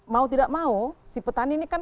mau tidak mau si petani ini kan